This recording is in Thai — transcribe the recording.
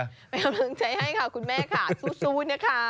เป็นกำลังใจให้ค่ะคุณแม่ค่ะสู้นะคะ